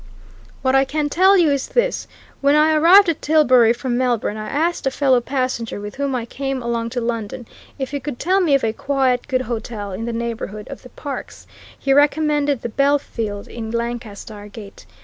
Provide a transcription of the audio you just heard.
What I can tell you is this: When I arrived at Tilbury from Melbourne, I asked a fellow passenger with whom I came along to London if he could tell me of a quiet, good hotel in the neighbourhood of the parks he recommended the Belfield, in Lancaster Gate.